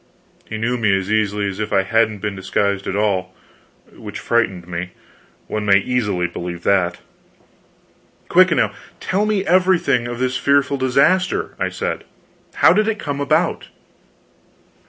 He knew me as easily as if I hadn't been disguised at all. Which frightened me; one may easily believe that. "Quick, now, tell me the meaning of this fearful disaster," I said. "How did it come about?"